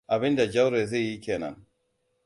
Abinda Jauro zai yi kenan.